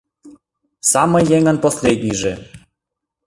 Самый еҥын последнийже